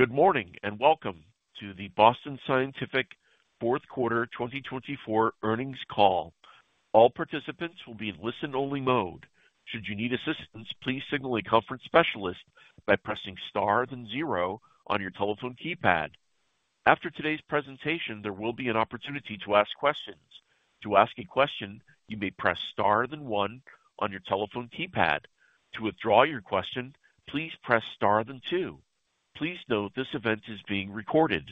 Good morning and welcome to the Boston Scientific Fourth Quarter 2024 earnings call. All participants will be in listen-only mode. Should you need assistance, please signal a conference specialist by pressing star then zero on your telephone keypad. After today's presentation, there will be an opportunity to ask questions. To ask a question, you may press star then one on your telephone keypad. To withdraw your question, please press star then two. Please note this event is being recorded.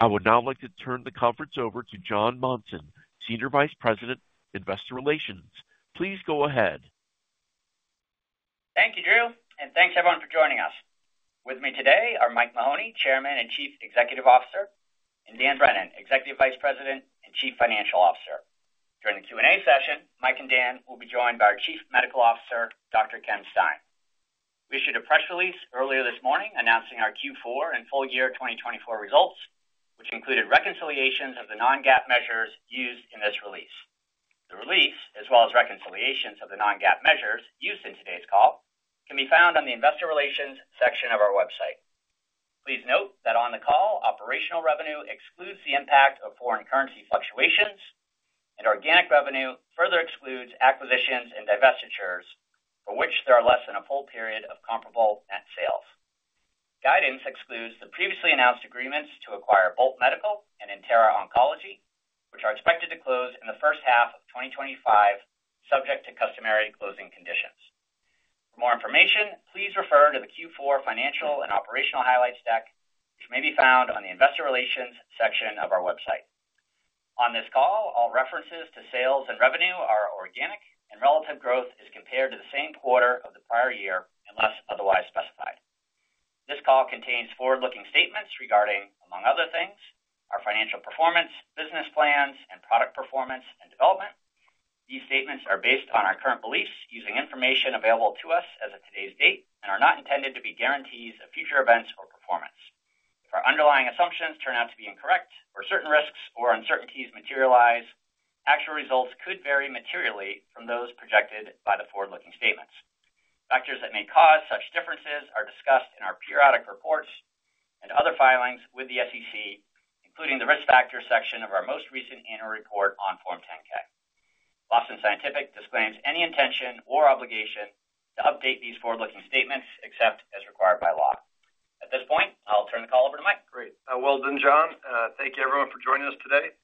I would now like to turn the conference over to Jon Monson, Senior Vice President, Investor Relations. Please go ahead. Thank you, Drew, and thanks everyone for joining us. With me today are Mike Mahoney, Chairman and Chief Executive Officer, and Dan Brennan, Executive Vice President and Chief Financial Officer. During the Q&A session, Mike and Dan will be joined by our Chief Medical Officer, Dr. Ken Stein. We issued a press release earlier this morning announcing our Q4 and full year 2024 results, which included reconciliations of the non-GAAP measures used in this release. The release, as well as reconciliations of the non-GAAP measures used in today's call, can be found on the Investor Relations section of our website. Please note that on the call, operational revenue excludes the impact of foreign currency fluctuations, and organic revenue further excludes acquisitions and divestitures for which there are less than a full period of comparable net sales. Guidance excludes the previously announced agreements to acquire Bolt Medical and Intera Oncology, which are expected to close in the first half of 2025, subject to customary closing conditions. For more information, please refer to the Q4 financial and operational highlights deck, which may be found on the Investor Relations section of our website. On this call, all references to sales and revenue are organic, and relative growth is compared to the same quarter of the prior year unless otherwise specified. This call contains forward-looking statements regarding, among other things, our financial performance, business plans, and product performance and development. These statements are based on our current beliefs using information available to us as of today's date and are not intended to be guarantees of future events or performance. If our underlying assumptions turn out to be incorrect or certain risks or uncertainties materialize, actual results could vary materially from those projected by the forward-looking statements. Factors that may cause such differences are discussed in our periodic reports and other filings with the SEC, including the risk factors section of our most recent annual report on Form 10-K. Boston Scientific disclaims any intention or obligation to update these forward-looking statements except as required by law. At this point, I'll turn the call over to Mike. Great. Well done, Jon. Thank you, everyone, for joining us today.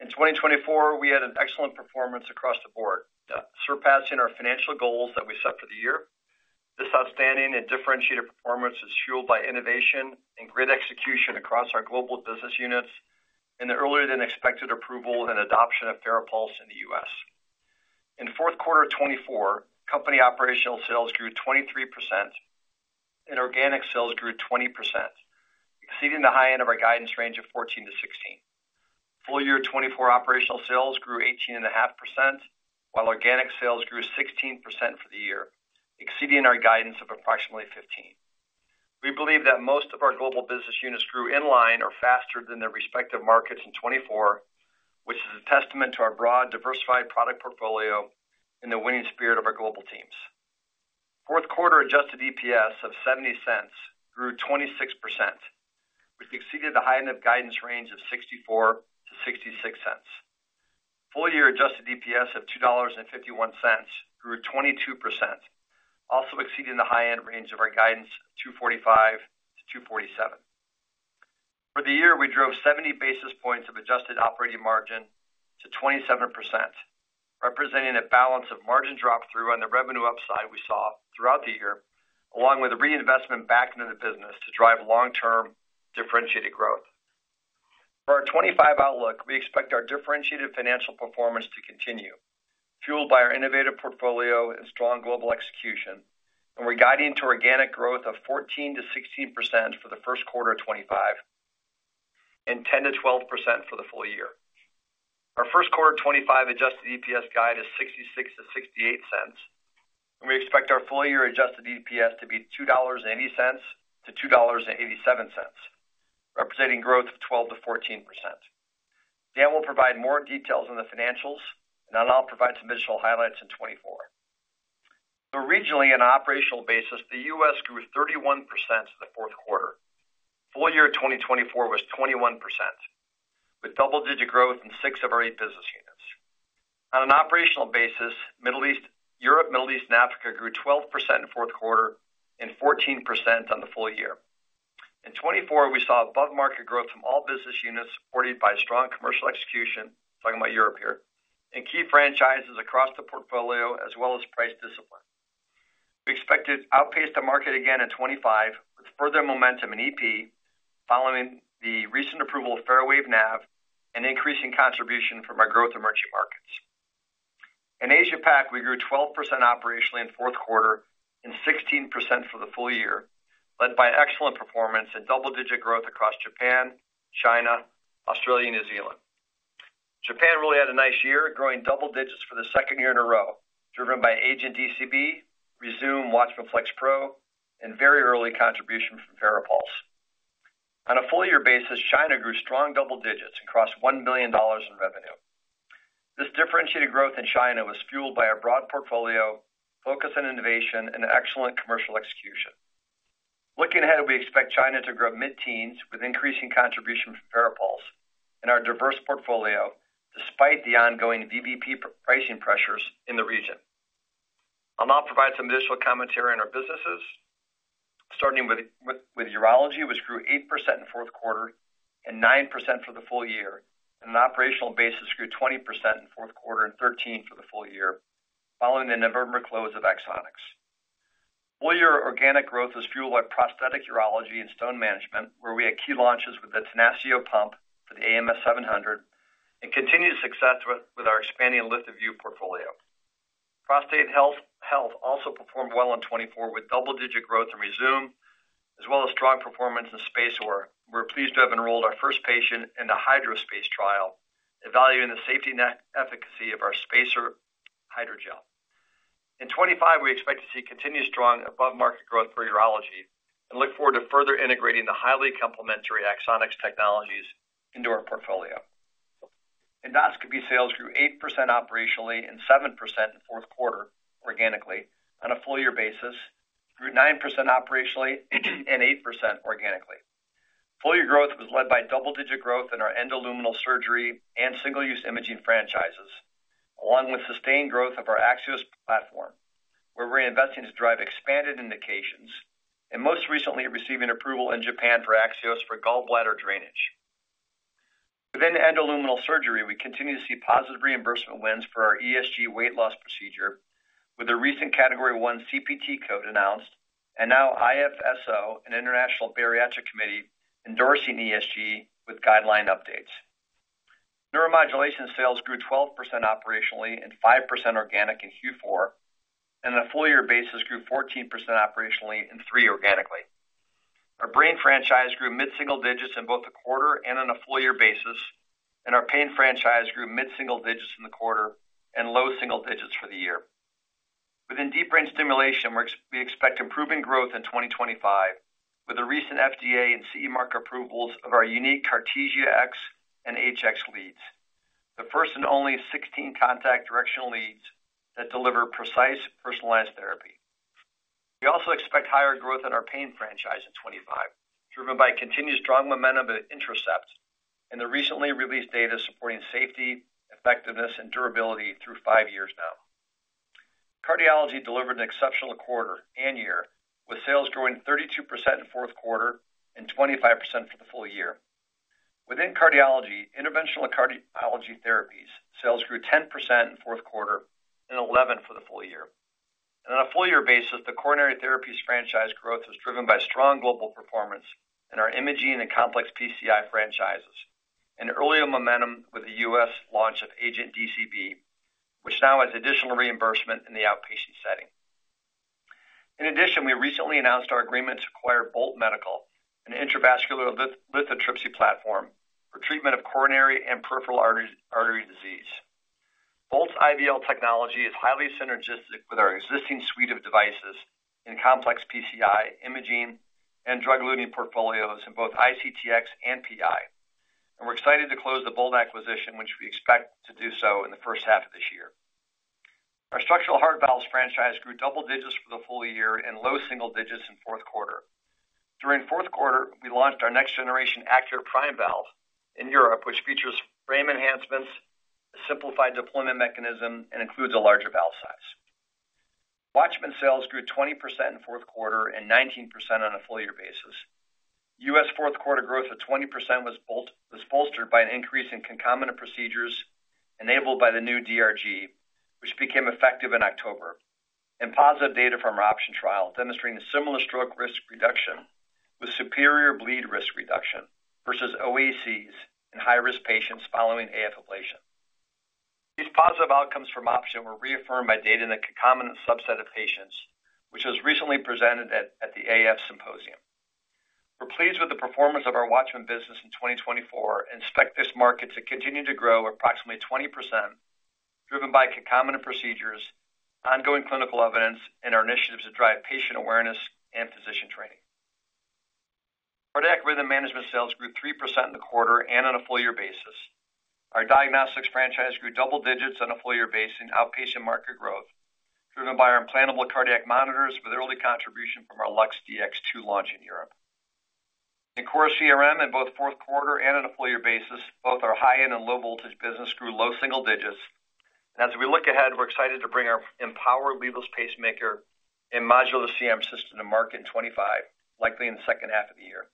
In 2024, we had an excellent performance across the board, surpassing our financial goals that we set for the year. This outstanding and differentiated performance is fueled by innovation and great execution across our global business units and the earlier-than-expected approval and adoption of FARAPULSE in the U.S. In fourth quarter 2024, company operational sales grew 23% and organic sales grew 20%, exceeding the high end of our guidance range of 14%-16%. Full year 2024 operational sales grew 18.5%, while organic sales grew 16% for the year, exceeding our guidance of approximately 15%. We believe that most of our global business units grew in line or faster than their respective markets in 2024, which is a testament to our broad, diversified product portfolio and the winning spirit of our global teams. Fourth quarter adjusted EPS of $0.70 grew 26%, which exceeded the high-end of guidance range of $0.64-$0.66. Full year adjusted EPS of $2.51 grew 22%, also exceeding the high-end range of our guidance of $2.45-$2.47. For the year, we drove 70 basis points of adjusted operating margin to 27%, representing a balance of margin drop-through on the revenue upside we saw throughout the year, along with a reinvestment back into the business to drive long-term differentiated growth. For our 2025 outlook, we expect our differentiated financial performance to continue, fueled by our innovative portfolio and strong global execution, and we're guiding to organic growth of 14%-16% for the first quarter of 2025 and 10%-12% for the full year. Our first quarter 2025 adjusted EPS guide is $0.66-$0.68, and we expect our full year adjusted EPS to be $2.80-$2.87, representing growth of 12%-14%. Dan will provide more details on the financials, and I'll provide some additional highlights in 2024. So regionally, on an operational basis, the U.S. grew 31% in the fourth quarter. Full year 2024 was 21%, with double-digit growth in six of our eight business units. On an operational basis, Europe, Middle East, and Africa grew 12% in fourth quarter and 14% on the full year. In 2024, we saw above-market growth from all business units supported by strong commercial execution, talking about Europe here, and key franchises across the portfolio, as well as price discipline. We expect to outpace the market again in 2025 with further momentum in EP, following the recent approval of FARAWAVE NAV and increasing contribution from our growth emerging markets. In Asia-Pac, we grew 12% operationally in fourth quarter and 16% for the full year, led by excellent performance and double-digit growth across Japan, China, Australia, and New Zealand. Japan really had a nice year, growing double digits for the second year in a row, driven by AGENT DCB, Rezūm, WATCHMAN FLX Pro, and very early contribution from FARAPULSE. On a full year basis, China grew strong double digits and crossed $1 million in revenue. This differentiated growth in China was fueled by a broad portfolio, focus on innovation, and excellent commercial execution. Looking ahead, we expect China to grow mid-teens with increasing contribution from FARAPULSE and our diverse portfolio, despite the ongoing VBP pricing pressures in the region. I'll now provide some additional commentary on our businesses, starting with urology, which grew 8% in fourth quarter and 9% for the full year, and on an operational basis, grew 20% in fourth quarter and 13% for the full year, following the November close of Axonics. Full year organic growth was fueled by prosthetic urology and stone management, where we had key launches with the Tenacio pump for the AMS 700 and continued success with our expanding LithoVue portfolio. Prostate health also performed well in 2024 with double-digit growth in Rezūm, as well as strong performance in SpaceOAR. We're pleased to have enrolled our first patient in the HydroSpace trial, evaluating the safety and efficacy of our spacer hydrogel. In 2025, we expect to see continued strong above-market growth for urology and look forward to further integrating the highly complementary Axonics technologies into our portfolio. Endoscopy sales grew 8% operationally and 7% organically in the fourth quarter. On a full year basis, they grew 9% operationally and 8% organically. Full year growth was led by double-digit growth in our endoluminal surgery and single-use imaging franchises, along with sustained growth of our AXIOS platform, where we're investing to drive expanded indications and most recently receiving approval in Japan for AXIOS for gallbladder drainage. Within endoluminal surgery, we continue to see positive reimbursement wins for our ESG weight loss procedure, with a recent Category I CPT code announced and now IFSO, an International Bariatric Committee, endorsing ESG with guideline updates. Neuromodulation sales grew 12% operationally and 5% organically in Q4, and on a full year basis, grew 14% operationally and 3% organically. Our brain franchise grew mid-single digits in both the quarter and on a full year basis, and our pain franchise grew mid-single digits in the quarter and low-single digits for the year. Within deep brain stimulation, we expect improving growth in 2025 with a recent FDA and CE mark approvals of our unique Cartesia X and HX leads, the first and only 16 contact directional leads that deliver precise personalized therapy. We also expect higher growth in our pain franchise in 2025, driven by continued strong momentum of Intracept and the recently released data supporting safety, effectiveness, and durability through five years now. Cardiology delivered an exceptional quarter and year, with sales growing 32% in fourth quarter and 25% for the full year. Within cardiology, interventional cardiology therapies sales grew 10% in fourth quarter and 11% for the full year. And on a full year basis, the coronary therapies franchise growth was driven by strong global performance in our imaging and complex PCI franchises and earlier momentum with the U.S. launch of AGENT DCB, which now has additional reimbursement in the outpatient setting. In addition, we recently announced our agreement to acquire Bolt Medical, an intravascular lithotripsy platform for treatment of coronary and peripheral artery disease. Bolt's IVL technology is highly synergistic with our existing suite of devices in complex PCI imaging and drug-eluting portfolios in both ICTx and PI, and we're excited to close the Bolt acquisition, which we expect to do so in the first half of this year. Our structural heart valves franchise grew double digits for the full year and low single digits in fourth quarter. During fourth quarter, we launched our next-generation ACURATE Prime valve in Europe, which features frame enhancements, a simplified deployment mechanism, and includes a larger valve size. WATCHMAN sales grew 20% in fourth quarter and 19% on a full year basis. U.S. fourth quarter growth of 20% was bolstered by an increase in concomitant procedures enabled by the new DRG, which became effective in October, and positive data from our OPTION trial demonstrating a similar stroke risk reduction with superior bleed risk reduction versus OACs in high-risk patients following AF ablation. These positive outcomes from OPTION were reaffirmed by data in the concomitant subset of patients, which was recently presented at the AF Symposium. We're pleased with the performance of our WATCHMAN business in 2024 and expect this market to continue to grow approximately 20%, driven by concomitant procedures, ongoing clinical evidence, and our initiatives to drive patient awareness and physician training. Cardiac rhythm management sales grew 3% in the quarter and on a full year basis. Our diagnostics franchise grew double digits on a full year basis in outpatient market growth, driven by our implantable cardiac monitors with early contribution from our LUX-Dx II launch in Europe. In core CRM, in both fourth quarter and on a full year basis, both our high-end and low-voltage business grew low single digits. And as we look ahead, we're excited to bring our EMPOWER pacemaker and mCRM system to market in 2025, likely in the second half of the year.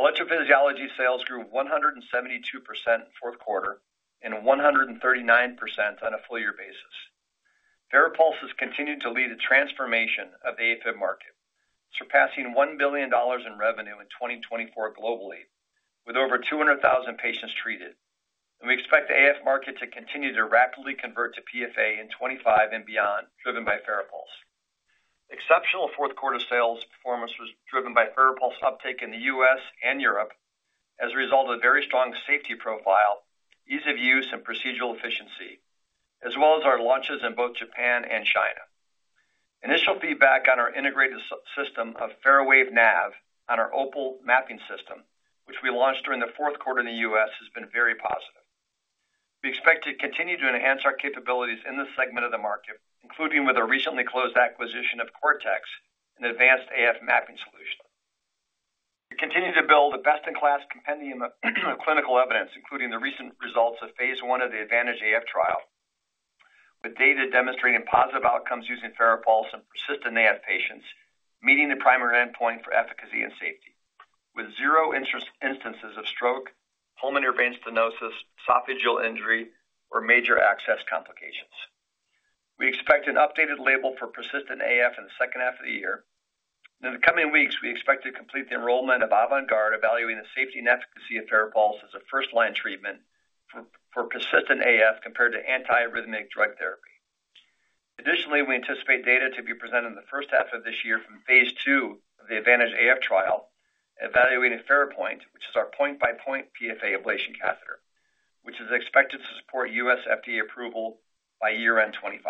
Electrophysiology sales grew 172% in fourth quarter and 139% on a full year basis. FARAPULSE has continued to lead a transformation of the AFib market, surpassing $1 billion in revenue in 2024 globally with over 200,000 patients treated. We expect the AF market to continue to rapidly convert to PFA in 2025 and beyond, driven by FARAPULSE. Exceptional fourth quarter sales performance was driven by FARAPULSE uptake in the U.S. and Europe as a result of a very strong safety profile, ease of use, and procedural efficiency, as well as our launches in both Japan and China. Initial feedback on our integrated system of FARAWAVE NAV on our OPAL mapping system, which we launched during the fourth quarter in the U.S., has been very positive. We expect to continue to enhance our capabilities in this segment of the market, including with a recently closed acquisition of Cortex and advanced AF mapping solution. We continue to build a best-in-class compendium of clinical evidence, including the recent results of phase one of the ADVANTAGE AF trial, with data demonstrating positive outcomes using FARAPULSE in persistent AF patients, meeting the primary endpoint for efficacy and safety, with zero instances of stroke, pulmonary vein stenosis, esophageal injury, or major access complications. We expect an updated label for persistent AF in the second half of the year. In the coming weeks, we expect to complete the enrollment of AVANT GUARD, evaluating the safety and efficacy of FARAPULSE as a first-line treatment for persistent AF compared to antiarrhythmic drug therapy. Additionally, we anticipate data to be presented in the first half of this year from phase two of the ADVANTAGE AF trial, evaluating a FARAPOINT, which is our point-by-point PFA ablation catheter, which is expected to support U.S. FDA approval by year-end 2025.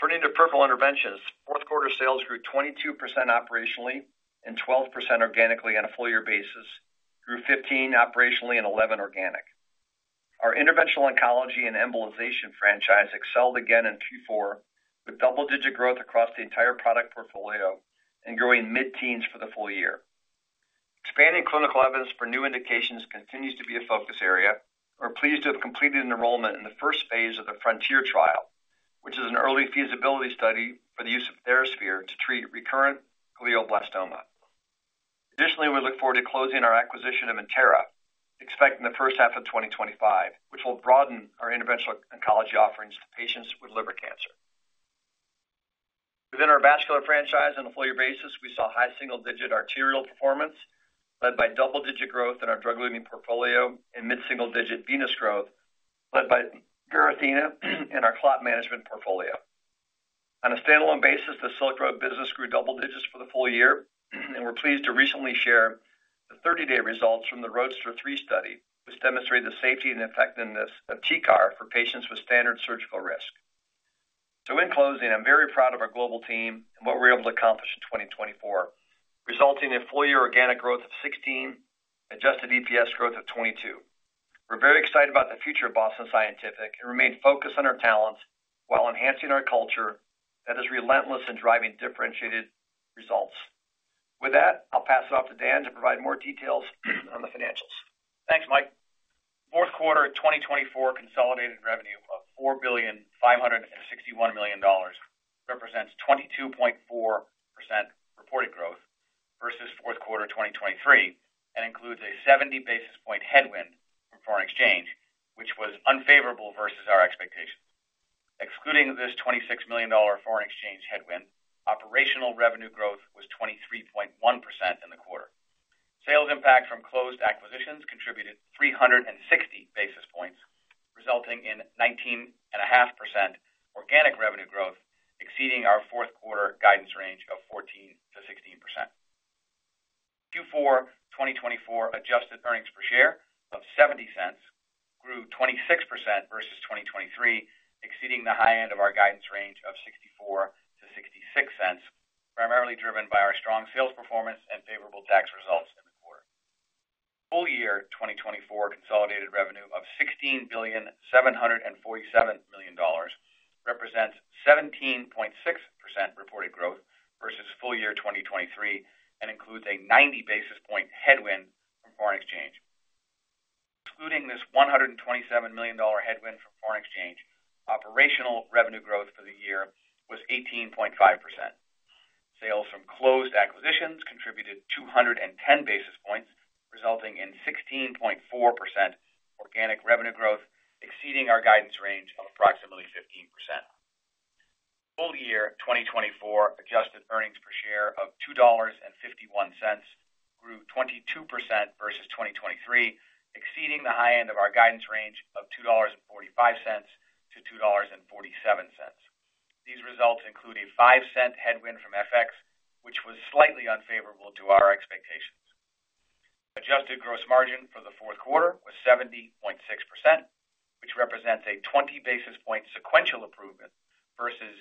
Turning to peripheral interventions, fourth quarter sales grew 22% operationally and 12% organically on a full year basis. Grew 15% operationally and 11% organic. Our interventional oncology and embolization franchise excelled again in Q4 with double-digit growth across the entire product portfolio and growing mid-teens for the full year. Expanding clinical evidence for new indications continues to be a focus area. We're pleased to have completed enrollment in the first phase of the FRONTIER trial, which is an early feasibility study for the use of TheraSphere to treat recurrent glioblastoma. Additionally, we look forward to closing our acquisition of Intera, expecting the first half of 2025, which will broaden our interventional oncology offerings to patients with liver cancer. Within our vascular franchise, on a full year basis, we saw high single-digit arterial performance, led by double-digit growth in our drug-eluting portfolio and mid-single-digit venous growth, led by Verithena in our clot management portfolio. On a standalone basis, the Silk Road business grew double digits for the full year, and we're pleased to recently share the 30-day results from the ROADSTER 3 study, which demonstrated the safety and effectiveness of TCAR for patients with standard surgical risk. So in closing, I'm very proud of our global team and what we're able to accomplish in 2024, resulting in full year organic growth of 16%, Adjusted EPS growth of 22%. We're very excited about the future of Boston Scientific and remain focused on our talents while enhancing our culture that is relentless in driving differentiated results. With that, I'll pass it off to Dan to provide more details on the financials. Thanks, Mike. Fourth quarter 2024 consolidated revenue of $4,561 million represents 22.4% reported growth versus fourth quarter 2023 and includes a 70 basis point headwind from foreign exchange, which was unfavorable versus our expectations. Excluding this $26 million foreign exchange headwind, operational revenue growth was 23.1% in the quarter. Sales impact from closed acquisitions contributed 360 basis points, resulting in 19.5% organic revenue growth, exceeding our fourth quarter guidance range of 14%-16%. Q4 2024 adjusted earnings per share of $0.70 grew 26% versus 2023, exceeding the high end of our guidance range of $0.64-$0.66, primarily driven by our strong sales performance and favorable tax results in the quarter. Full year 2024 consolidated revenue of $16,747 million represents 17.6% reported growth versus full year 2023 and includes a 90 basis point headwind from foreign exchange. Excluding this $127 million headwind from foreign exchange, operational revenue growth for the year was 18.5%. Sales from closed acquisitions contributed 210 basis points, resulting in 16.4% organic revenue growth, exceeding our guidance range of approximately 15%. Full year 2024 adjusted earnings per share of $2.51 grew 22% versus 2023, exceeding the high end of our guidance range of $2.45-$2.47. These results include a $0.05 headwind from FX, which was slightly unfavorable to our expectations. Adjusted gross margin for the fourth quarter was 70.6%, which represents a 20 basis point sequential improvement versus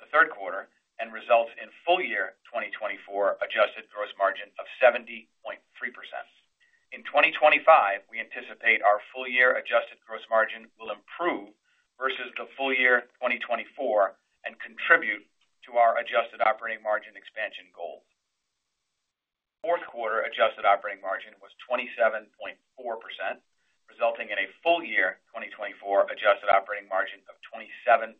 the third quarter and results in full year 2024 adjusted gross margin of 70.3%. In 2025, we anticipate our full year adjusted gross margin will improve versus the full year 2024 and contribute to our adjusted operating margin expansion goals. Fourth quarter adjusted operating margin was 27.4%, resulting in a full year 2024 adjusted operating margin of 27.0%,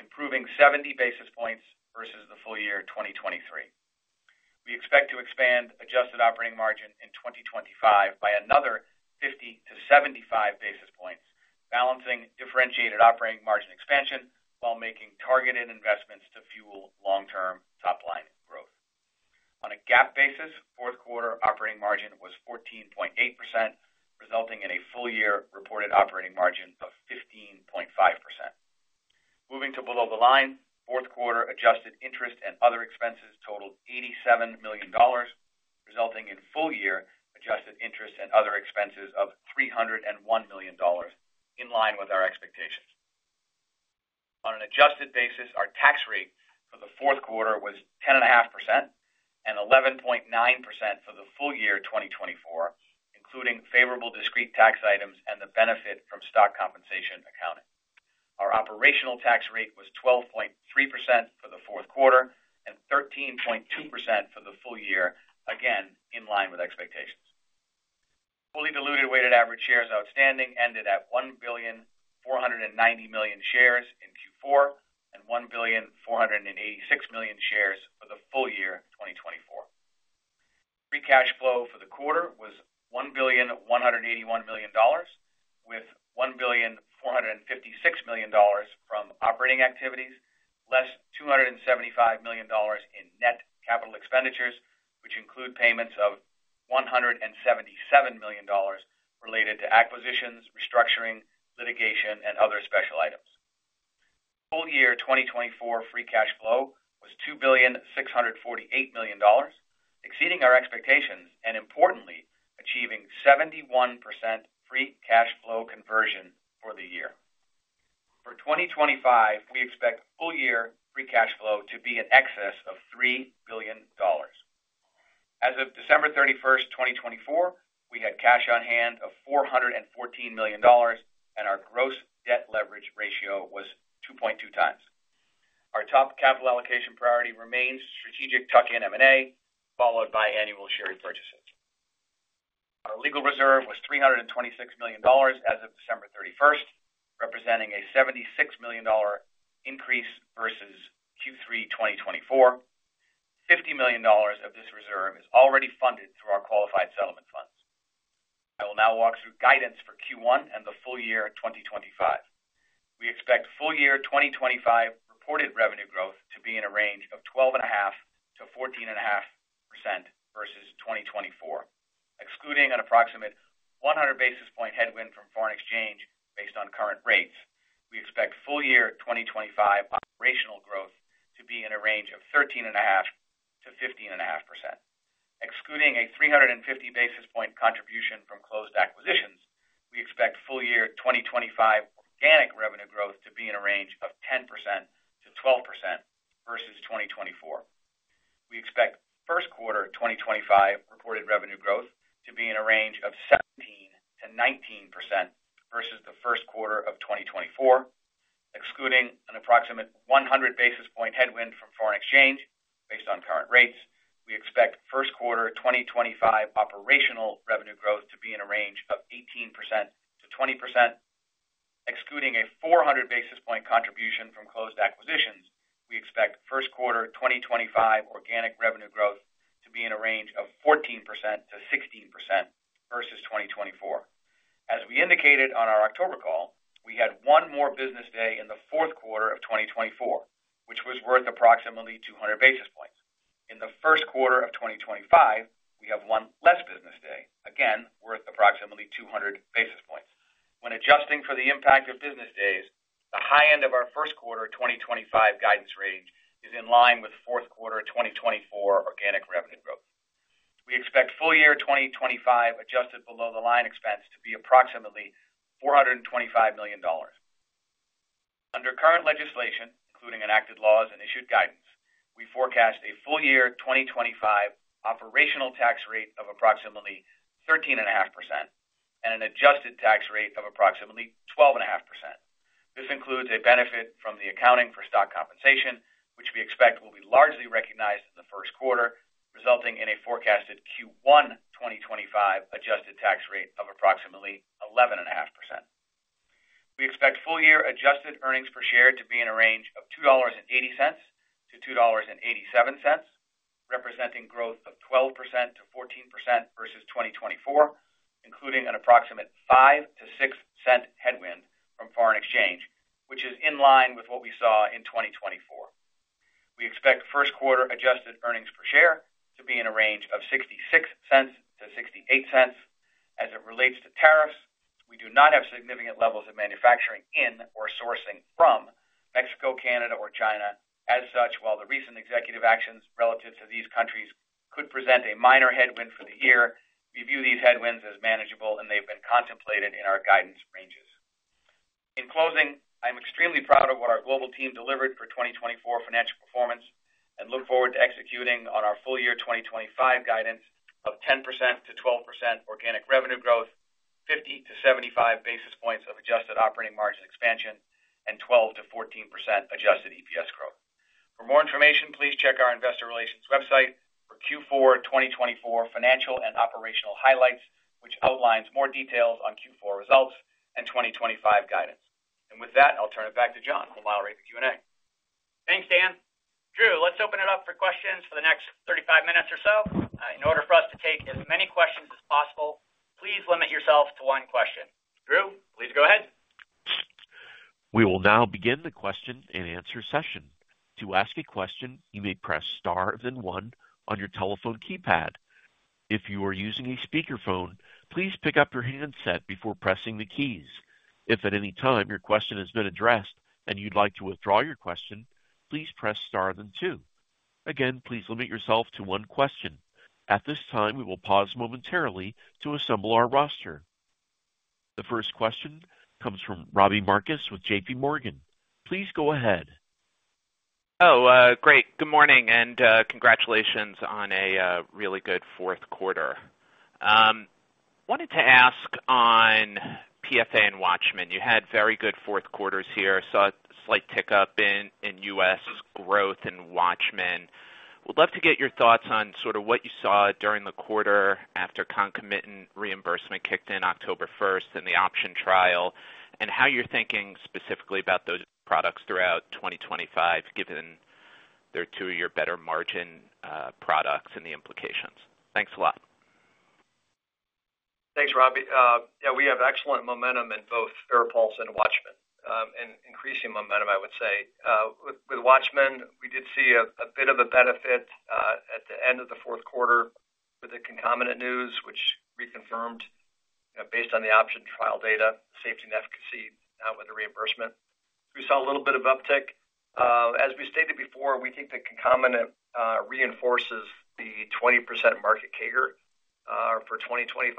improving 70 basis points versus the full year 2023. We expect to expand adjusted operating margin in 2025 by another 50 basis points-75 basis points, balancing differentiated operating margin expansion while making targeted investments to fuel long-term top-line growth. On a GAAP basis, fourth quarter operating margin was 14.8%, resulting in a full year reported operating margin of 15.5%. Moving to below the line, fourth quarter adjusted interest and other expenses totaled $87 million, resulting in full year adjusted interest and other expenses of $301 million, in line with our expectations. On an adjusted basis, our tax rate for the fourth quarter was 10.5% and 11.9% for the full year 2024, including favorable discrete tax items and the benefit from stock compensation accounting. Our operational tax rate was 12.3% for the fourth quarter and 13.2% for the full year, again in line with expectations. Fully diluted weighted average shares outstanding ended at 1.490 billion shares in Q4 and 1.486 billion shares for the full year 2024. Free cash flow for the quarter was $1.181 billion, with $1.456 billion from operating activities, less $275 million in net capital expenditures, which include payments of $177 million related to acquisitions, restructuring, litigation, and other special items. Full year 2024 free cash flow was $2.648 billion exceeding our expectations and importantly, achieving 71% free cash flow conversion for the year. For 2025, we expect full year free cash flow to be in excess of $3 billion. As of December 31, 2024, we had cash on hand of $414 million and our gross debt leverage ratio was 2.2x. Our top capital allocation priority remains strategic tuck-in M&A, followed by annual share purchases. Our legal reserve was $326 million as of December 31, representing a $76 million increase versus Q3 2024. $50 million of this reserve is already funded through our qualified settlement funds. I will now walk through guidance for Q1 and the full year 2025. We expect full year 2025 reported revenue growth to be in a range of 12.5%-14.5% versus 2024, excluding an approximate 100 basis point headwind from foreign exchange based on current rates. We expect full year 2025 operational growth to be in a range of 13.5%-15.5%, excluding a 350 basis point contribution from closed acquisitions. We expect full year 2025 organic revenue growth to be in a range of 10%-12% versus 2024. We expect first quarter 2025 reported revenue growth to be in a range of 17%-19% versus the first quarter of 2024, excluding an approximate 100 basis point headwind from foreign exchange based on current rates. We expect first quarter 2025 operational revenue growth to be in a range of 18%-20%, excluding a 400 basis point contribution from closed acquisitions. We expect first quarter 2025 organic revenue growth to be in a range of 14%-16% versus 2024. As we indicated on our October call, we had one more business day in the fourth quarter of 2024, which was worth approximately 200 basis points. In the first quarter of 2025, we have one less business day, again worth approximately 200 basis points. When adjusting for the impact of business days, the high end of our first quarter 2025 guidance range is in line with fourth quarter 2024 organic revenue growth. We expect full year 2025 adjusted below the line expense to be approximately $425 million. Under current legislation, including enacted laws and issued guidance, we forecast a full year 2025 operational tax rate of approximately 13.5% and an adjusted tax rate of approximately 12.5%. This includes a benefit from the accounting for stock compensation, which we expect will be largely recognized in the first quarter, resulting in a forecasted Q1 2025 adjusted tax rate of approximately 11.5%. We expect full year adjusted earnings per share to be in a range of $2.80-$2.87, representing growth of 12%-14% versus 2024, including an approximate 5%-6% headwind from foreign exchange, which is in line with what we saw in 2024. We expect first quarter adjusted earnings per share to be in a range of 66%-68%. As it relates to tariffs, we do not have significant levels of manufacturing in or sourcing from Mexico, Canada, or China. As such, while the recent executive actions relative to these countries could present a minor headwind for the year, we view these headwinds as manageable, and they've been contemplated in our guidance ranges. In closing, I'm extremely proud of what our global team delivered for 2024 financial performance and look forward to executing on our full year 2025 guidance of 10%-12% organic revenue growth, 50 basis points-75 basis points of adjusted operating margin expansion, and 12%-14% Adjusted EPS growth. For more information, please check our investor relations website for Q4 2024 financial and operational highlights, which outlines more details on Q4 results and 2025 guidance. With that, I'll turn it back to Jon, who will moderate the Q&A. Thanks, Dan. Drew, let's open it up for questions for the next 35 minutes or so. In order for us to take as many questions as possible, please limit yourself to one question. Drew, please go ahead. We will now begin the question and answer session. To ask a question, you may press star then one on your telephone keypad. If you are using a speakerphone, please pick up your handset before pressing the keys. If at any time your question has been addressed and you'd like to withdraw your question, please press star then two. Again, please limit yourself to one question. At this time, we will pause momentarily to assemble our roster. The first question comes from Robbie Marcus with JPMorgan. Please go ahead. Oh, great. Good morning and congratulations on a really good fourth quarter. Wanted to ask on PFA and WATCHMAN. You had very good fourth quarters here. I saw a slight tick up in U.S. growth and WATCHMAN. Would love to get your thoughts on sort of what you saw during the quarter after concomitant reimbursement kicked in October 1 and the OPTION trial and how you're thinking specifically about those products throughout 2025, given their two-year better margin products and the implications? Thanks a lot. Thanks, Robbie. Yeah, we have excellent momentum in both FARAPULSE and WATCHMAN, and increasing momentum, I would say. With WATCHMAN, we did see a bit of a benefit at the end of the fourth quarter with the concomitant news, which reconfirmed, based on the OPTION trial data, safety and efficacy now with the reimbursement. We saw a little bit of uptick. As we stated before, we think the concomitant reinforces the 20% market CAGR for 2025.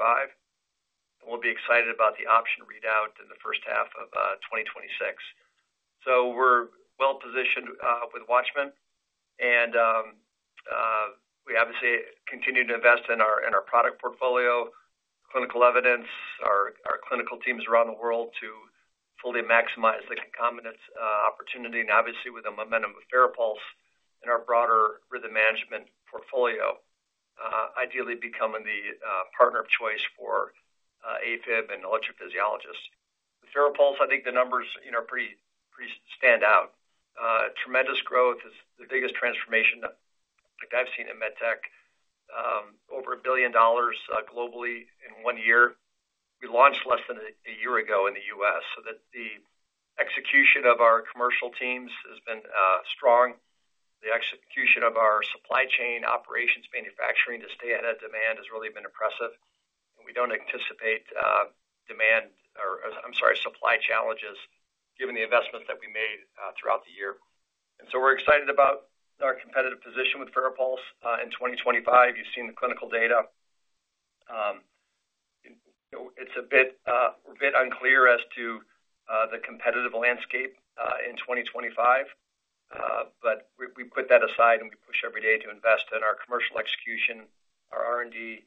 We'll be excited about the OPTION readout in the first half of 2026. So we're well positioned with WATCHMAN, and we obviously continue to invest in our product portfolio, clinical evidence, our clinical teams around the world to fully maximize the concomitant opportunity, and obviously with the momentum of FARAPULSE and our broader rhythm management portfolio, ideally becoming the partner of choice for AFib and electrophysiologists. With FARAPULSE, I think the numbers pretty stand out. Tremendous growth is the biggest transformation that I've seen in MedTech, over $1 billion globally in one year. We launched less than a year ago in the U.S., so that the execution of our commercial teams has been strong. The execution of our supply chain operations, manufacturing to stay ahead of demand has really been impressive. We don't anticipate demand or, I'm sorry, supply challenges given the investments that we made throughout the year. And so we're excited about our competitive position with FARAPULSE in 2025. You've seen the clinical data. It's a bit unclear as to the competitive landscape in 2025, but we put that aside and we push every day to invest in our commercial execution, our R&D,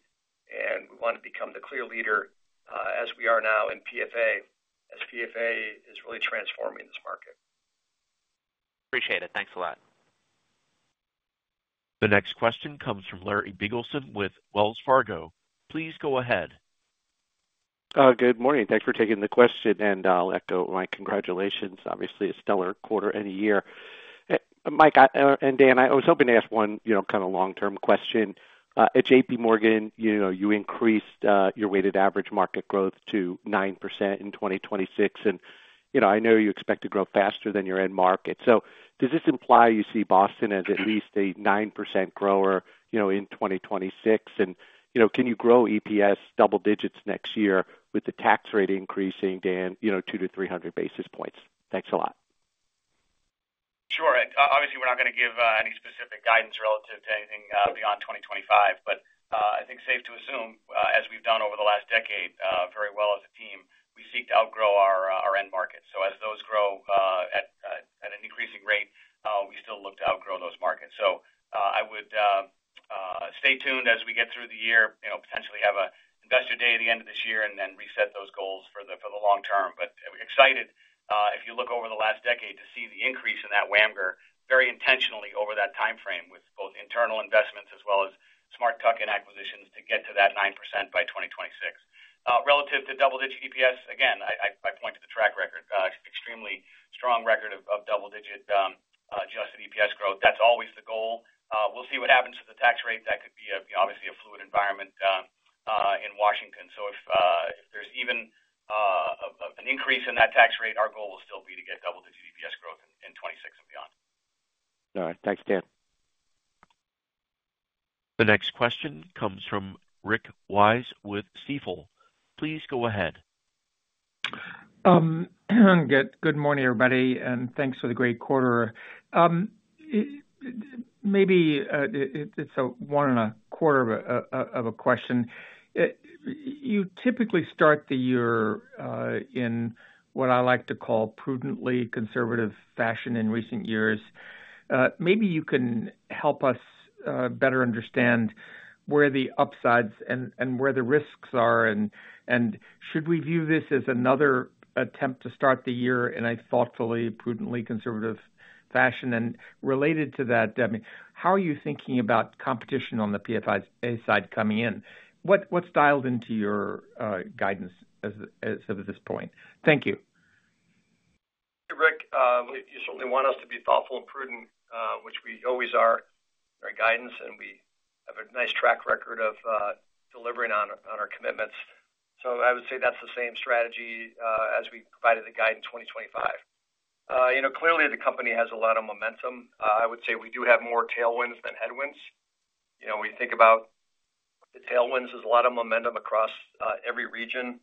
and we want to become the clear leader as we are now in PFA, as PFA is really transforming this market. Appreciate it. Thanks a lot. The next question comes from Larry Biegelsen with Wells Fargo. Please go ahead. Good morning. Thanks for taking the question, and I'll echo my congratulations. Obviously, a stellar quarter and a year. Mike and Dan, I was hoping to ask one kind of long-term question. At JPMorgan, you increased your weighted average market growth to 9% in 2026, and I know you expect to grow faster than your end market. So does this imply you see Boston as at least a 9% grower in 2026? And can you grow EPS double digits next year with the tax rate increasing, Dan, 200 basis points-300 basis points? Thanks a lot. Sure. Obviously, we're not going to give any specific guidance relative to anything beyond 2025, but I think safe to assume, as we've done over the last decade very well as a team, we seek to outgrow our end markets. So as those grow at an increasing rate, we still look to outgrow those markets. So I would stay tuned as we get through the year, potentially have an investor day at the end of this year and then reset those goals for the long term. But we're excited, if you look over the last decade, to see the increase in that WAMGR very intentionally over that timeframe with both internal investments as well as smart tuck-in acquisitions to get to that 9% by 2026. Relative to double-digit EPS, again, I point to the track record, extremely strong record of double-digit adjusted EPS growth. That's always the goal. We'll see what happens to the tax rate. That could be obviously a fluid environment in Washington. So if there's even an increase in that tax rate, our goal will still be to get double-digit EPS growth in 2026 and beyond. All right. Thanks, Dan. The next question comes from Rick Wise with Stifel. Please go ahead. Good morning, everybody, and thanks for the great quarter. Maybe it's one and a quarter of a question. You typically start the year in what I like to call prudently conservative fashion in recent years. Maybe you can help us better understand where the upsides and where the risks are, and should we view this as another attempt to start the year in a thoughtfully, prudently conservative fashion? And related to that, how are you thinking about competition on the PFA side coming in? What's dialed into your guidance as of this point? Thank you. Rick, you certainly want us to be thoughtful and prudent, which we always are in our guidance, and we have a nice track record of delivering on our commitments. So I would say that's the same strategy as we provided the guidance in 2025. Clearly, the company has a lot of momentum. I would say we do have more tailwinds than headwinds. When you think about the tailwinds, there's a lot of momentum across every region.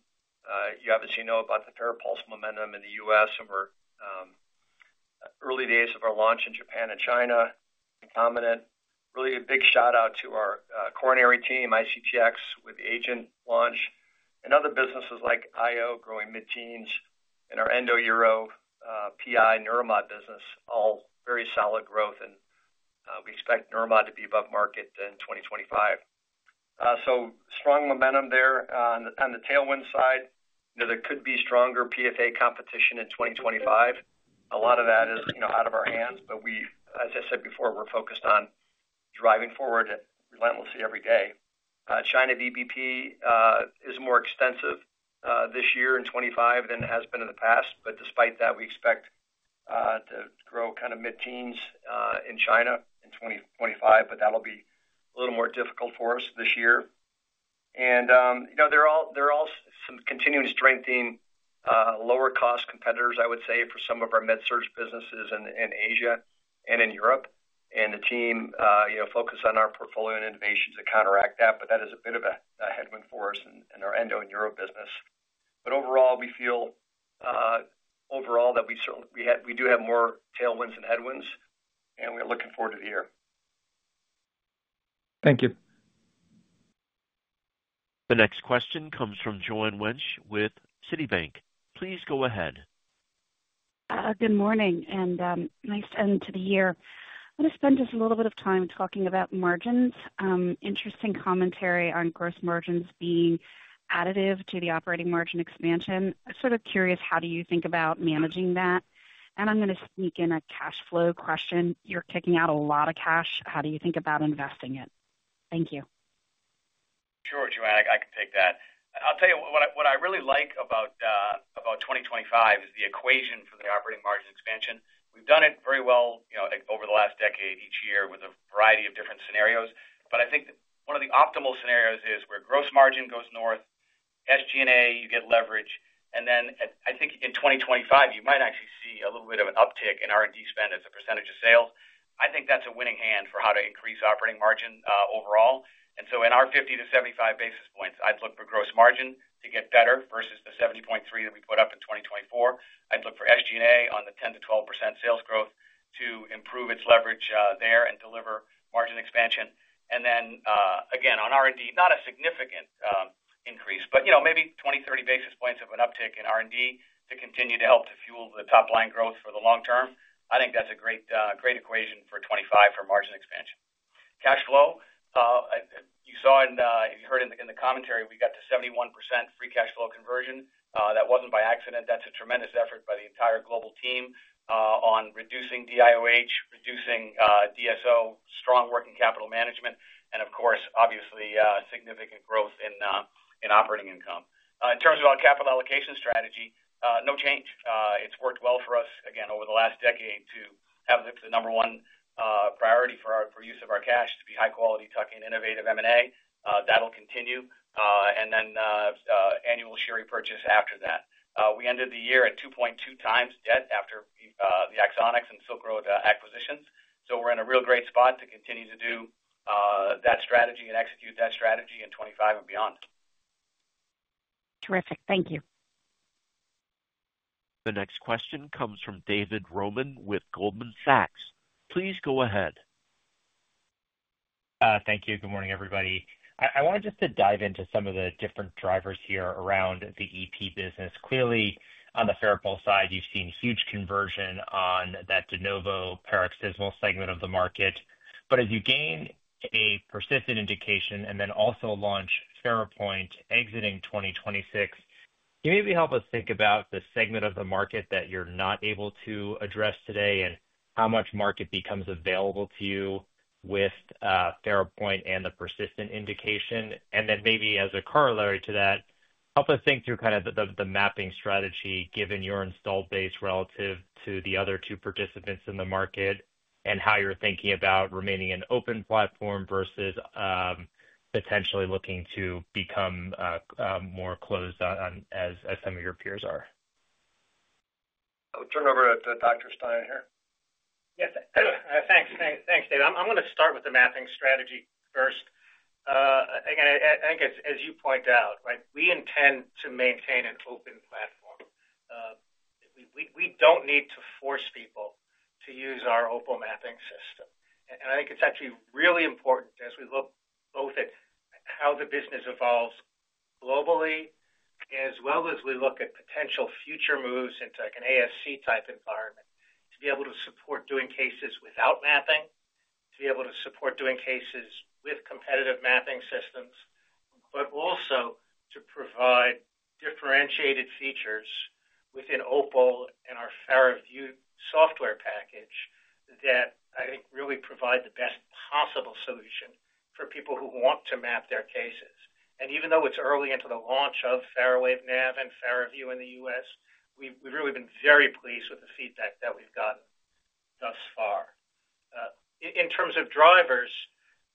You obviously know about the FARAPULSE momentum in the U.S. and we're in the early days of our launch in Japan and China. Concomitantly, really a big shout-out to our coronary team, ICTx with the AGENT launch, and other businesses like IO growing mid-teens and our Endo, Uro, PI, Neuromod business, all very solid growth, and we expect Neuromod to be above market in 2025, so strong momentum there on the tailwind side. There could be stronger PFA competition in 2025. A lot of that is out of our hands, but we, as I said before, we're focused on driving forward relentlessly every day. China VBP is more extensive this year in 2025 than it has been in the past, but despite that, we expect to grow kind of mid-teens in China in 2025, but that'll be a little more difficult for us this year. And there are some continuing strengthening lower-cost competitors, I would say, for some of our med-surg businesses in Asia and in Europe. And the team is focused on our portfolio and innovations to counteract that, but that is a bit of a headwind for us in our endo-Euro business. But overall, we feel overall that we do have more tailwinds than headwinds, and we're looking forward to the year. Thank you. The next question comes from Joanne Wuensch with Citibank. Please go ahead. Good morning and nice end to the year. I'm going to spend just a little bit of time talking about margins. Interesting commentary on gross margins being additive to the operating margin expansion. I'm sort of curious, how do you think about managing that? And I'm going to sneak in a cash flow question. You're kicking out a lot of cash. How do you think about investing it? Thank you. Sure, Joanne, I can take that. I'll tell you what I really like about 2025 is the equation for the operating margin expansion. We've done it very well over the last decade each year with a variety of different scenarios, but I think one of the optimal scenarios is where gross margin goes north, SG&A, you get leverage, and then I think in 2025, you might actually see a little bit of an uptick in R&D spend as a percentage of sales. I think that's a winning hand for how to increase operating margin overall. And so in our 50 basis points-75 basis points, I'd look for gross margin to get better versus the 70.3 that we put up in 2024. I'd look for SG&A on the 10%-12% sales growth to improve its leverage there and deliver margin expansion. And then, again, on R&D, not a significant increase, but maybe 20, 30 basis points of an uptick in R&D to continue to help to fuel the top-line growth for the long term. I think that's a great equation for 2025 for margin expansion. Cash flow, you saw and you heard in the commentary, we got to 71% free cash flow conversion. That wasn't by accident. That's a tremendous effort by the entire global team on reducing DIOH, reducing DSO, strong working capital management, and of course, obviously significant growth in operating income. In terms of our capital allocation strategy, no change. It's worked well for us, again, over the last decade to have the number one priority for use of our cash to be high-quality tuck-in innovative M&A. That'll continue, and then annual share repurchase after that. We ended the year at 2.2x debt after the Axonics and Silk Road acquisitions. So we're in a real great spot to continue to do that strategy and execute that strategy in 2025 and beyond. Terrific. Thank you. The next question comes from David Roman with Goldman Sachs. Please go ahead. Thank you. Good morning, everybody. I wanted just to dive into some of the different drivers here around the EP business. Clearly, on the FARAPULSE side, you've seen huge conversion on that de novo paroxysmal segment of the market. But as you gain a persistent indication and then also launch FARAPOINT exiting 2026, can you maybe help us think about the segment of the market that you're not able to address today and how much market becomes available to you with FARAPOINT and the persistent indication? And then maybe as a corollary to that, help us think through kind of the mapping strategy given your installed base relative to the other two participants in the market and how you're thinking about remaining an open platform versus potentially looking to become more closed as some of your peers are. I'll turn over to Dr. Stein here. Yes. Thanks, David. I'm going to start with the mapping strategy first. Again, I think as you point out, we intend to maintain an open platform. We don't need to force people to use our OPAL mapping system. And I think it's actually really important as we look both at how the business evolves globally as well as we look at potential future moves into an ASC-type environment to be able to support doing cases without mapping, to be able to support doing cases with competitive mapping systems, but also to provide differentiated features within OPAL and our FARAVIEW software package that I think really provide the best possible solution for people who want to map their cases. And even though it's early into the launch of FARAWAVE NAV and FARAVIEW in the U.S., we've really been very pleased with the feedback that we've gotten thus far. In terms of drivers,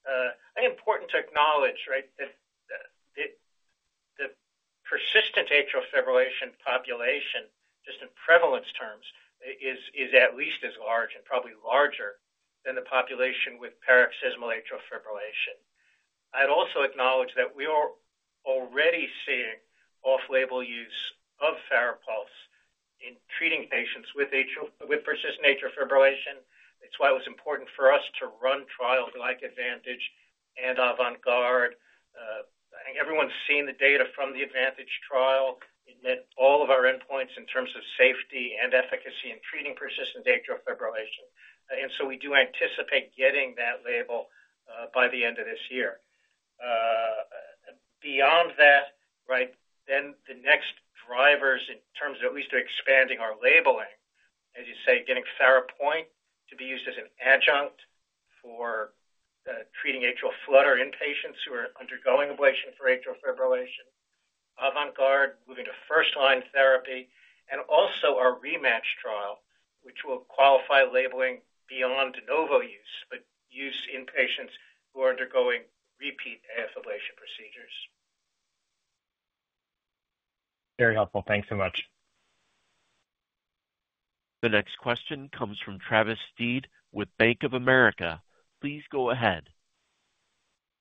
I think it's important to acknowledge that the persistent atrial fibrillation population, just in prevalence terms, is at least as large and probably larger than the population with paroxysmal atrial fibrillation. I'd also acknowledge that we are already seeing off-label use of FARAPULSE in treating patients with persistent atrial fibrillation. It's why it was important for us to run trials like ADVANTAGE and AVANT GUARD. I think everyone's seen the data from the ADVANTAGE trial. It met all of our endpoints in terms of safety and efficacy in treating persistent atrial fibrillation. And so we do anticipate getting that label by the end of this year. Beyond that, then the next drivers in terms of at least expanding our labeling, as you say, getting FARAPOINT to be used as an adjunct for treating atrial flutter in patients who are undergoing ablation for atrial fibrillation, AVANT GUARD moving to first-line therapy, and also our ReMATCH trial, which will qualify labeling beyond de novo use, but use in patients who are undergoing repeat AF ablation procedures. Very helpful. Thanks so much. The next question comes from Travis Steed with Bank of America. Please go ahead.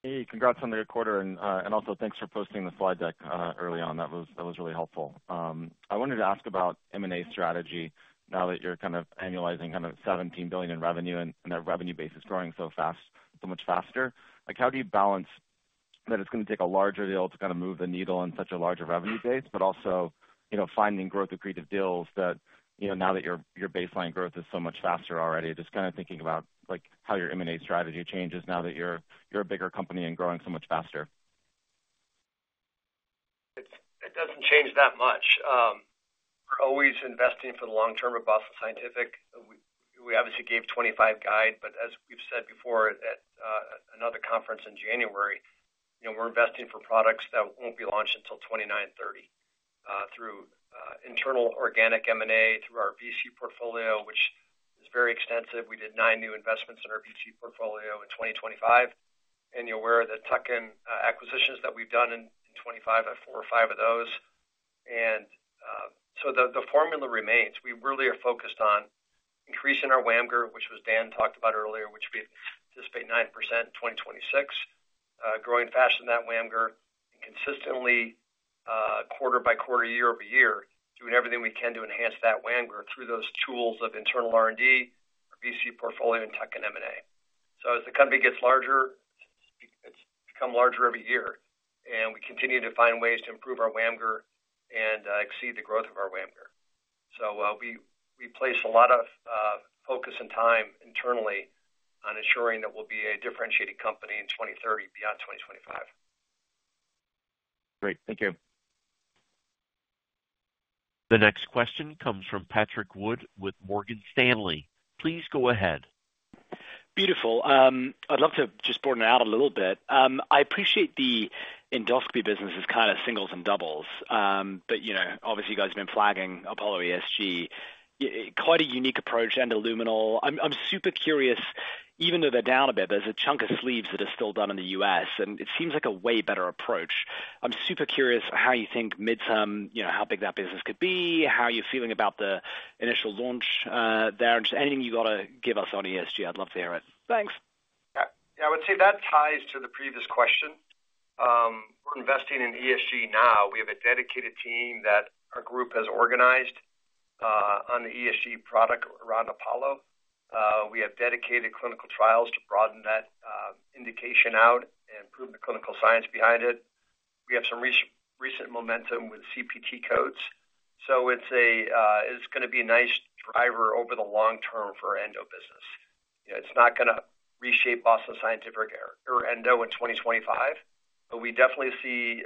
Hey, congrats on the quarter, and also thanks for posting the slide deck early on. That was really helpful. I wanted to ask about M&A strategy now that you're kind of annualizing kind of $17 billion in revenue and that revenue base is growing so much faster. How do you balance that it's going to take a larger deal to kind of move the needle on such a larger revenue base, but also finding growth-accretive deals that now that your baseline growth is so much faster already, just kind of thinking about how your M&A strategy changes now that you're a bigger company and growing so much faster? It doesn't change that much. We're always investing for the long term with Boston Scientific. We obviously gave 2025 guide, but as we've said before at another conference in January, we're investing for products that won't be launched until 2029 and 2030 through internal organic M&A through our VC portfolio, which is very extensive. We did nine new investments in our VC portfolio in 2025. And you're aware of the tuck-in acquisitions that we've done in 2025, four or five of those. And so the formula remains. We really are focused on increasing our WAMGR, which was Dan talked about earlier, which we anticipate 9% in 2026, growing faster than that WAMGR, and consistently quarter by quarter, year over year, doing everything we can to enhance that WAMGR through those tools of internal R&D, our VC portfolio, and tuck-in M&A. So as the company gets larger, it's become larger every year, and we continue to find ways to improve our WAMGR and exceed the growth of our WAMGR. So we place a lot of focus and time internally on ensuring that we'll be a differentiated company in 2030 beyond 2025. Great. Thank you. The next question comes from Patrick Wood with Morgan Stanley. Please go ahead. Beautiful. I'd love to just broaden it out a little bit. I appreciate the endoscopy business is kind of singles and doubles, but obviously, you guys have been flagging Apollo ESG. Quite a unique approach and luminal. I'm super curious, even though they're down a bit, there's a chunk of sleeves that are still done in the U.S., and it seems like a way better approach. I'm super curious how you think midterm, how big that business could be, how you're feeling about the initial launch there, and just anything you've got to give us on ESG. I'd love to hear it. Thanks. Yeah. I would say that ties to the previous question. We're investing in ESG now. We have a dedicated team that our group has organized on the ESG product around Apollo. We have dedicated clinical trials to broaden that indication out and prove the clinical science behind it. We have some recent momentum with CPT codes. So it's going to be a nice driver over the long term for our endo business. It's not going to reshape Boston Scientific or Endo in 2025, but we definitely see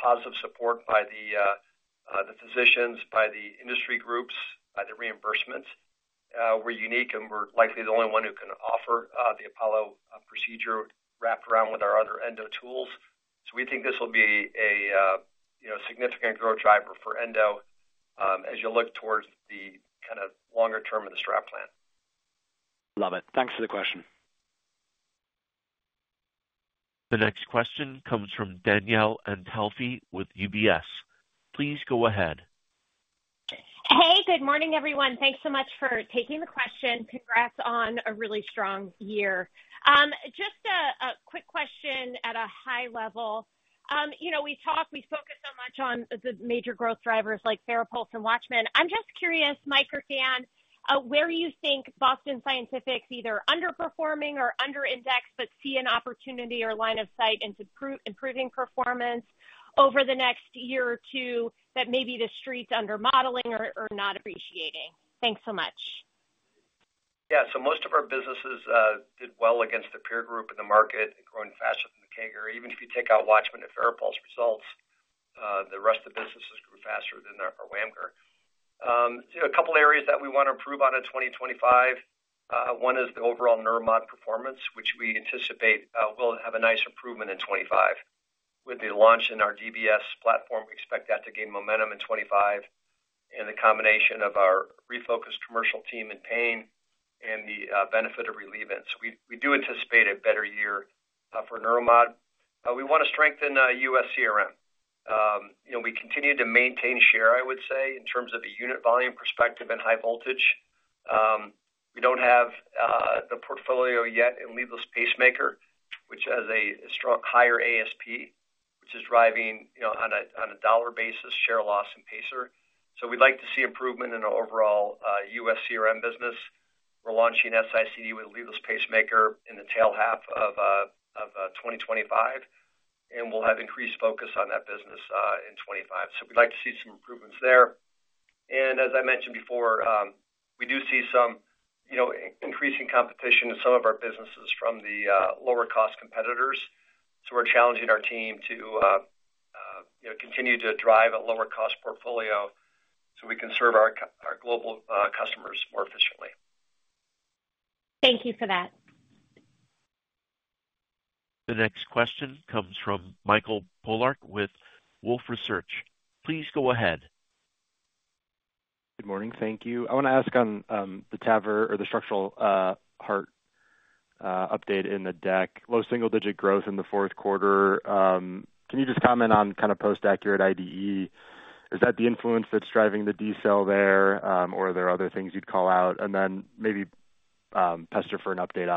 positive support by the physicians, by the industry groups, by the reimbursements. We're unique, and we're likely the only one who can offer the Apollo procedure wrapped around with our other endo tools. So we think this will be a significant growth driver for Endo as you look towards the kind of longer term of the STRAP plan. Love it. Thanks for the question. The next question comes from Danielle Antalffy with UBS. Please go ahead. Hey, good morning, everyone. Thanks so much for taking the question. Congrats on a really strong year. Just a quick question at a high level. We talk, we focus so much on the major growth drivers like FARAPULSE and WATCHMAN. I'm just curious, Mike or Dan, where you think Boston Scientific's either underperforming or underindexed, but see an opportunity or line of sight into improving performance over the next year or two that maybe the street's undermodeling or not appreciating? Thanks so much. Yeah. So most of our businesses did well against the peer group in the market, growing faster than the CAGR. Even if you take out WATCHMAN and FARAPULSE results, the rest of the businesses grew faster than our WAMGR. A couple of areas that we want to improve on in 2025. One is the overall neuromodulation performance, which we anticipate will have a nice improvement in 2025. With the launch in our DBS platform, we expect that to gain momentum in 2025 and the combination of our refocused commercial team in pain and the benefit of Intracept. So we do anticipate a better year for neuromodulation. We want to strengthen U.S. CRM. We continue to maintain share, I would say, in terms of the unit volume perspective and high voltage. We don't have the portfolio yet in leadless pacemaker, which has a higher ASP, which is driving on a dollar basis share loss in pacer. So we'd like to see improvement in our overall U.S. CRM business. We're launching S-ICD with leadless pacemaker in the latter half of 2025, and we'll have increased focus on that business in 2025. So we'd like to see some improvements there. And as I mentioned before, we do see some increasing competition in some of our businesses from the lower-cost competitors. So we're challenging our team to continue to drive a lower-cost portfolio so we can serve our global customers more efficiently. Thank you for that. The next question comes from Michael Polark with Wolfe Research. Please go ahead. Good morning. Thank you. I want to ask on the TAVR or the structural heart update in the deck. Low single-digit growth in the fourth quarter. Can you just comment on kind of post-ACURATE IDE? Is that the influence that's driving the sales there, or are there other things you'd call out? And then maybe press for an update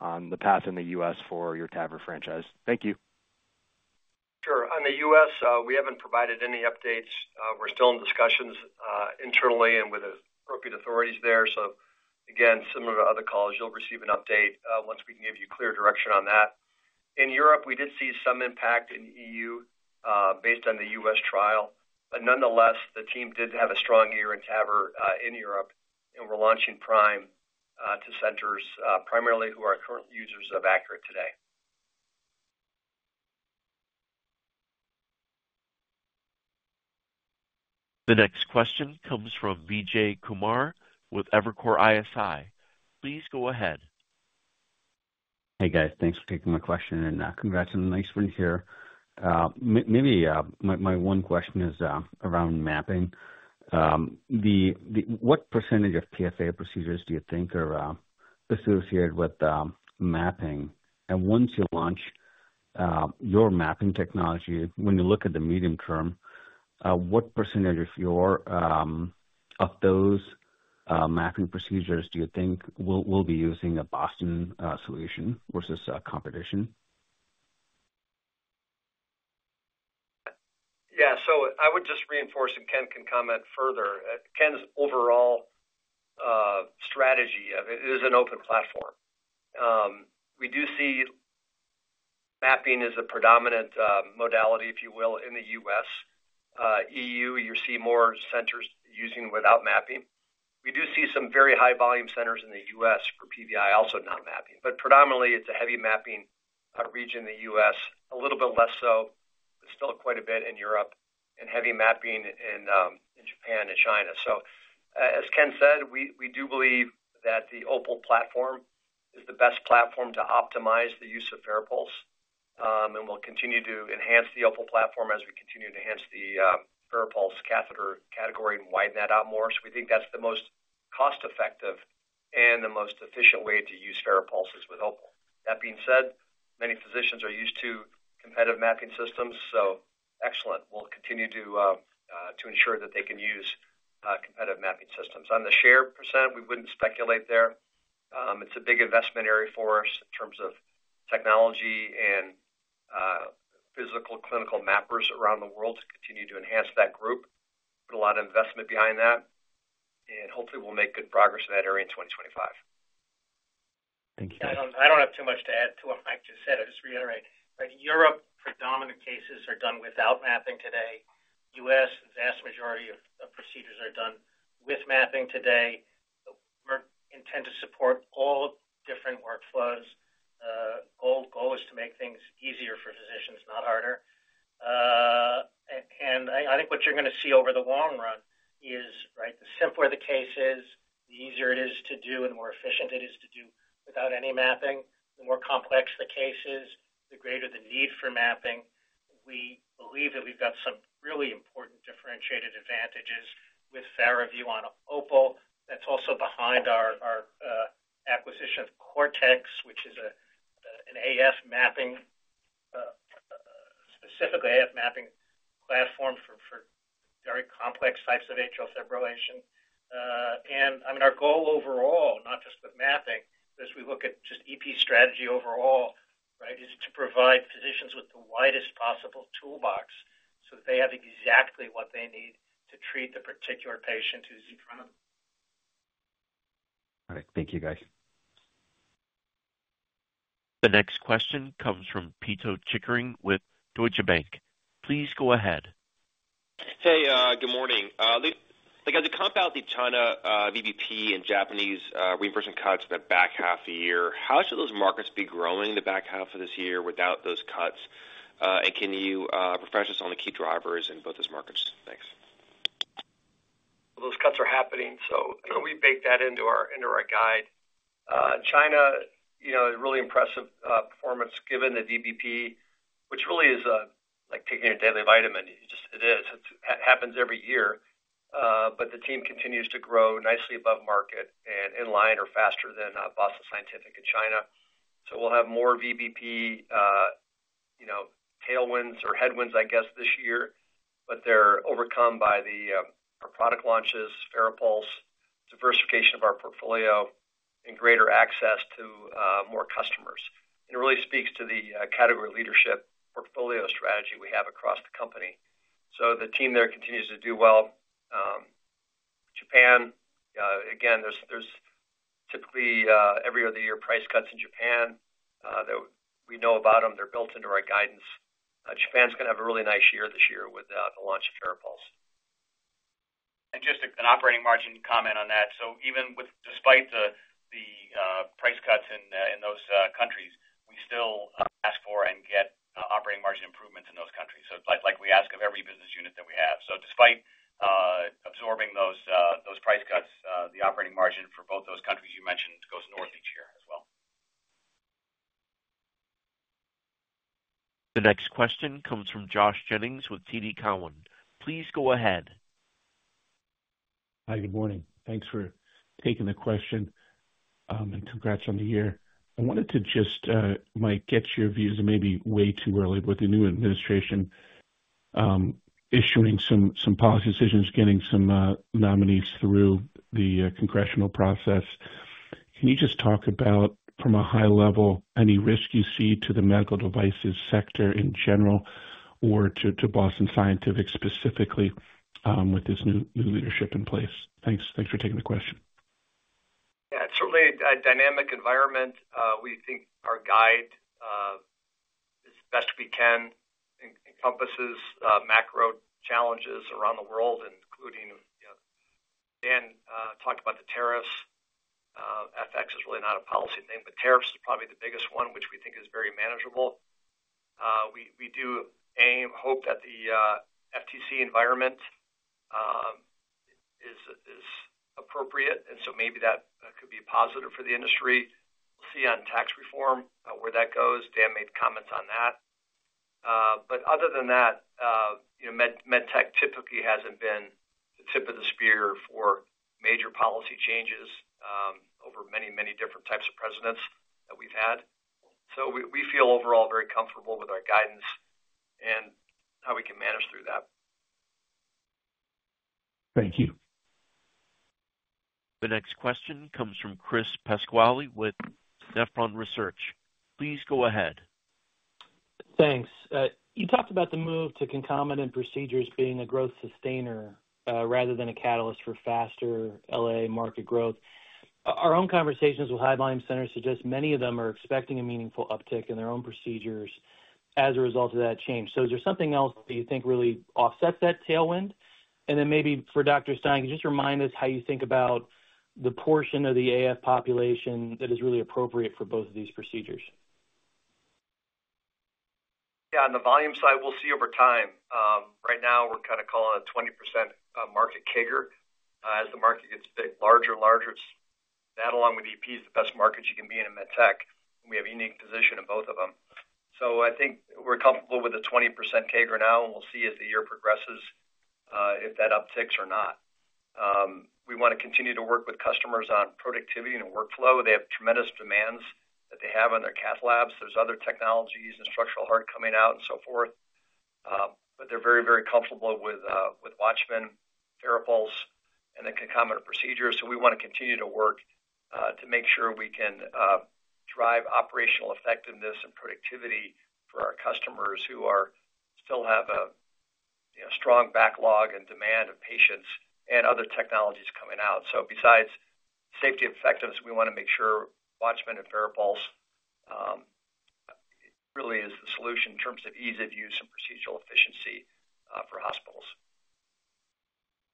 on the path in the U.S. for your TAVR franchise? Thank you. Sure. On the U.S., we haven't provided any updates. We're still in discussions internally and with appropriate authorities there. So again, similar to other calls, you'll receive an update once we can give you clear direction on that. In Europe, we did see some impact in the EU based on the U.S. trial. But nonetheless, the team did have a strong year in TAVR in Europe, and we're launching Prime to centers primarily who are current users of ACURATE today. The next question comes from Vijay Kumar with Evercore ISI. Please go ahead. Hey, guys. Thanks for taking my question, and congrats on the nice winter here. Maybe my one question is around mapping. What percentage of PFA procedures do you think are associated with mapping? And once you launch your mapping technology, when you look at the medium term, what percentage of those mapping procedures do you think will be using a Boston solution versus competition? Yeah. So I would just reinforce and Ken can comment further. Ken's overall strategy is an open platform. We do see mapping as a predominant modality, if you will, in the U.S. EU, you see more centers using without mapping. We do see some very high-volume centers in the U.S. for PVI also not mapping. But predominantly, it's a heavy mapping region in the U.S., a little bit less so, but still quite a bit in Europe, and heavy mapping in Japan and China. As Ken said, we do believe that the OPAL platform is the best platform to optimize the use of FARAPULSE. We'll continue to enhance the OPAL platform as we continue to enhance the FARAPULSE catheter category and widen that out more. We think that's the most cost-effective and the most efficient way to use FARAPULSE is with OPAL. That being said, many physicians are used to competitive mapping systems, so excellent. We'll continue to ensure that they can use competitive mapping systems. On the share percent, we wouldn't speculate there. It's a big investment area for us in terms of technology and physician clinical mappers around the world to continue to enhance that group. Put a lot of investment behind that, and hopefully, we'll make good progress in that area in 2025. Thank you. I don't have too much to add to what Mike just said. I'll just reiterate. In Europe, predominant cases are done without mapping today. U.S., the vast majority of procedures are done with mapping today. We intend to support all different workflows. The goal is to make things easier for physicians, not harder, and I think what you're going to see over the long run is, right, the simpler the case is, the easier it is to do, and the more efficient it is to do without any mapping. The more complex the case is, the greater the need for mapping. We believe that we've got some really important differentiated advantages with FARAVIEW on OPAL. That's also behind our acquisition of Cortex, which is an AF mapping, specifically AF mapping platform for very complex types of atrial fibrillation. And I mean, our goal overall, not just with mapping, but as we look at just EP strategy overall, right, is to provide physicians with the widest possible toolbox so that they have exactly what they need to treat the particular patient who's in front of them. All right. Thank you, guys. The next question comes from Pito Chickering with Deutsche Bank. Please go ahead. Hey, good morning. Like, as we comp out the China VBP and Japanese reimbursement cuts in the back half of the year, how should those markets be growing in the back half of this year without those cuts? And can you refresh us on the key drivers in both those markets? Thanks. Well, those cuts are happening, so we baked that into our guide. China, really impressive performance given the VBP, which really is like taking your daily vitamin. It is. It happens every year. But the team continues to grow nicely above market and in line or faster than Boston Scientific and China. So we'll have more VBP tailwinds or headwinds, I guess, this year, but they're overcome by our product launches, FARAPULSE, diversification of our portfolio, and greater access to more customers. And it really speaks to the category leadership portfolio strategy we have across the company. So the team there continues to do well. Japan, again, there's typically every other year price cuts in Japan. We know about them. They're built into our guidance. Japan's going to have a really nice year this year with the launch of FARAPULSE. And just an operating margin comment on that. So even despite the price cuts in those countries, we still ask for and get operating margin improvements in those countries. So it's like we ask of every business unit that we have. So despite absorbing those price cuts, the operating margin for both those countries you mentioned goes north each year as well. The next question comes from Josh Jennings with TD Cowen. Please go ahead. Hi, good morning. Thanks for taking the question and congrats on the year. I wanted to just, Mike, get your views. It may be way too early with the new administration issuing some policy decisions, getting some nominees through the congressional process. Can you just talk about, from a high level, any risk you see to the medical devices sector in general or to Boston Scientific specifically with this new leadership in place? Thanks for taking the question. Yeah. It's really a dynamic environment. We think our guide as best we can encompasses macro challenges around the world, including Dan talked about the tariffs. FX is really not a policy thing, but tariffs is probably the biggest one, which we think is very manageable. We do hope that the FTC environment is appropriate, and so maybe that could be a positive for the industry. We'll see on tax reform where that goes. Dan made comments on that. But other than that, med tech typically hasn't been the tip of the spear for major policy changes over many, many different types of presidents that we've had. So we feel overall very comfortable with our guidance and how we can manage through that. Thank you. The next question comes from Chris Pasquale with Nephron Research. Please go ahead. Thanks. You talked about the move to concomitant procedures being a growth sustainer rather than a catalyst for faster LAA market growth. Our own conversations with high-volume centers suggest many of them are expecting a meaningful uptick in their own procedures as a result of that change. So is there something else that you think really offsets that tailwind? And then maybe for Dr. Stein, could you just remind us how you think about the portion of the AF population that is really appropriate for both of these procedures? Yeah. On the volume side, we'll see over time. Right now, we're kind of calling a 20% market CAGR as the market gets bigger and larger. That along with EP is the best market you can be in in med tech. We have a unique position in both of them. So I think we're comfortable with the 20% CAGR now, and we'll see as the year progresses if that upticks or not. We want to continue to work with customers on productivity and workflow. They have tremendous demands that they have on their cath labs. There's other technologies and structural heart coming out and so forth. But they're very, very comfortable with WATCHMAN, FARAPULSE, and the concomitant procedures. So we want to continue to work to make sure we can drive operational effectiveness and productivity for our customers who still have a strong backlog and demand of patients and other technologies coming out. So besides safety and effectiveness, we want to make sure WATCHMAN and FARAPULSE really is the solution in terms of ease of use and procedural efficiency for hospitals.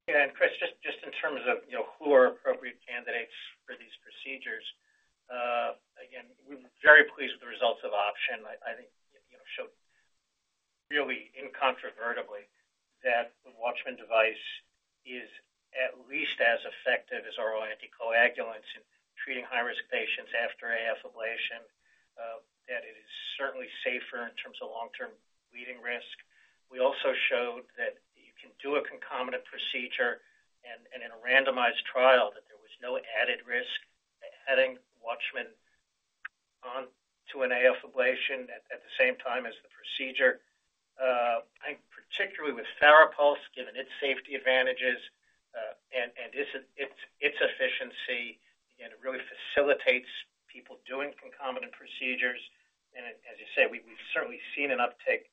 And Chris, just in terms of who are appropriate candidates for these procedures, again, we're very pleased with the results of OPTION. I think it showed really incontrovertibly that the WATCHMAN device is at least as effective as our own anticoagulants in treating high-risk patients after AF ablation, that it is certainly safer in terms of long-term bleeding risk. We also showed that you can do a concomitant procedure and in a randomized trial that there was no added risk adding WATCHMAN onto an AF ablation at the same time as the procedure. I think particularly with FARAPULSE, given its safety advantages and its efficiency, again, it really facilitates people doing concomitant procedures. And as you say, we've certainly seen an uptick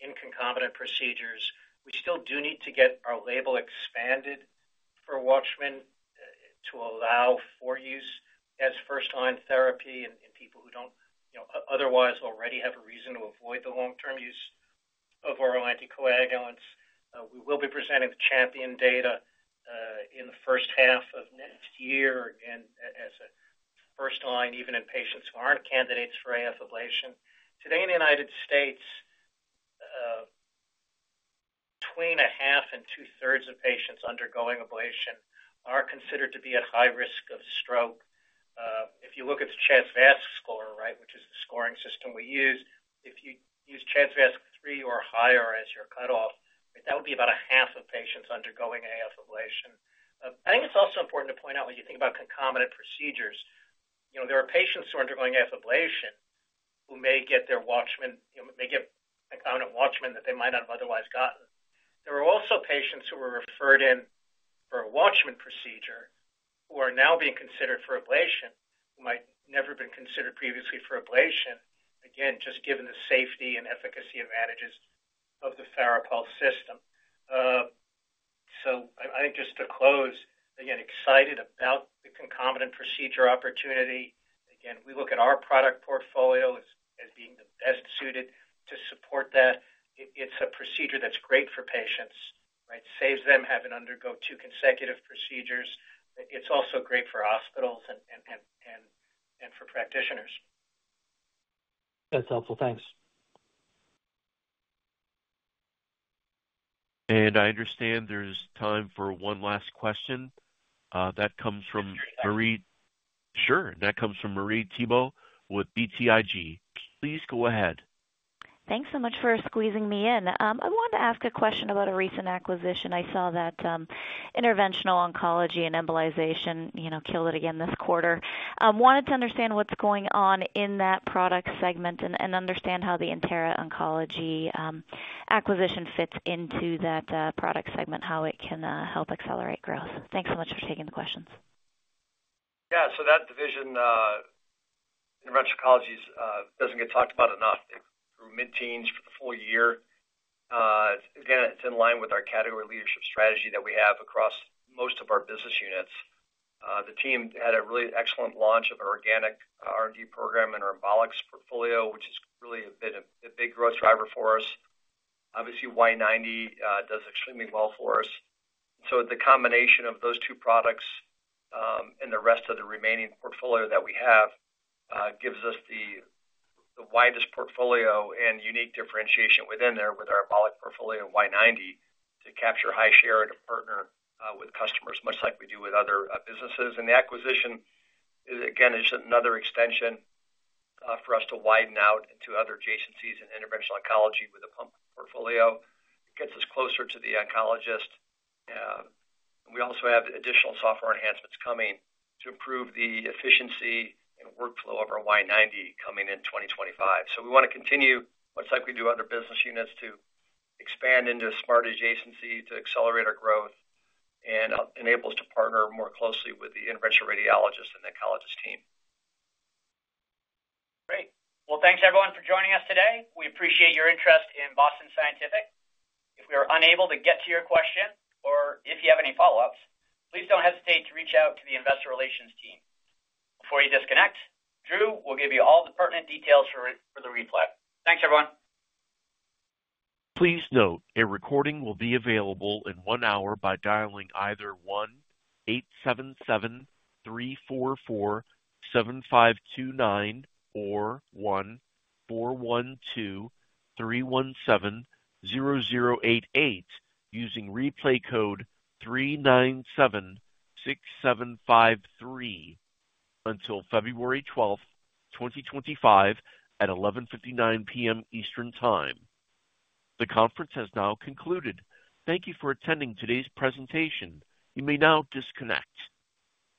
in concomitant procedures. We still do need to get our label expanded for WATCHMAN to allow for use as first-line therapy in people who don't otherwise already have a reason to avoid the long-term use of oral anticoagulants. We will be presenting the CHAMPION data in the first half of next year and as a first-line, even in patients who aren't candidates for AF ablation. Today in the United States, between a half and two-thirds of patients undergoing ablation are considered to be at high risk of stroke. If you look at the CHA2DS2-VASc score, right, which is the scoring system we use, if you use CHA2DS2-VASc 3 or higher as your cutoff, that would be about a half of patients undergoing AF ablation. I think it's also important to point out when you think about concomitant procedures, there are patients who are undergoing AF ablation who may get their WATCHMAN, may get concomitant WATCHMAN that they might not have otherwise gotten. There are also patients who were referred in for a WATCHMAN procedure who are now being considered for ablation, who might never have been considered previously for ablation, again, just given the safety and efficacy advantages of the FARAPULSE system. So I think just to close, again, excited about the concomitant procedure opportunity. Again, we look at our product portfolio as being the best suited to support that. It's a procedure that's great for patients, right? Saves them having to undergo two consecutive procedures. It's also great for hospitals and for practitioners. That's helpful. Thanks. And I understand there's time for one last question. That comes from Marie. Sure. That comes from Marie Thibault with BTIG. Please go ahead. Thanks so much for squeezing me in. I wanted to ask a question about a recent acquisition. I saw that interventional oncology and embolization killed it again this quarter. Wanted to understand what's going on in that product segment and understand how the Intera Oncology acquisition fits into that product segment, how it can help accelerate growth.?Thanks so much for taking the questions. Yeah. So that division, interventional oncology, doesn't get talked about enough. Through mid-teens for the full year. Again, it's in line with our category leadership strategy that we have across most of our business units. The team had a really excellent launch of our organic R&D program and our embolics portfolio, which has really been a big growth driver for us. Obviously, Y-90 does extremely well for us. So the combination of those two products and the rest of the remaining portfolio that we have gives us the widest portfolio and unique differentiation within there with our embolic portfolio and Y-90 to capture high share and to partner with customers, much like we do with other businesses. And the acquisition, again, is another extension for us to widen out into other adjacencies in interventional oncology with a pump portfolio. It gets us closer to the oncologist. We also have additional software enhancements coming to improve the efficiency and workflow of our Y-90 coming in 2025. So we want to continue, much like we do other business units, to expand into smart adjacency to accelerate our growth and enable us to partner more closely with the interventional radiologist and oncologist team. Great. Well, thanks everyone for joining us today. We appreciate your interest in Boston Scientific. If we are unable to get to your question or if you have any follow-ups, please don't hesitate to reach out to the investor relations team. Before you disconnect, Drew will give you all the pertinent details for the replay. Thanks, everyone. Please note a recording will be available in one hour by dialing either 1-877-344-7529 or 1-412-317-0088 using replay code 397-6753 until February 12th, 2025, at 11:59 P.M. Eastern Time. The conference has now concluded. Thank you for attending today's presentation. You may now disconnect.